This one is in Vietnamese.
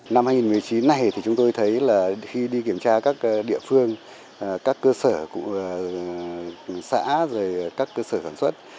năm hai nghìn một mươi chín này thì chúng tôi thấy là khi đi kiểm tra các địa phương các cơ sở xã các cơ sở sản xuất